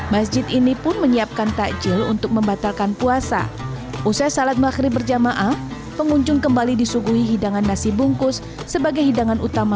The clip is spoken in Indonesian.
masjid yang diberi konsep sebagai masjid muslim